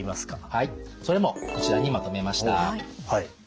はいそれもこちらにまとめました。